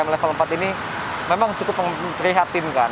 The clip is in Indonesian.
kita harus melewati kemungkinan yang sangat menarik